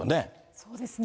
そうですね。